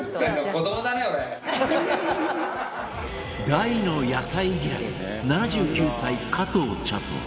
大の野菜嫌い７９歳、加藤茶。